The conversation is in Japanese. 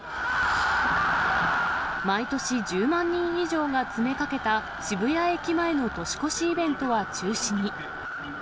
毎年、１０万人以上が詰めかけた、渋谷駅前の年越しイベントは中止に。